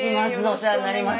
お世話になります。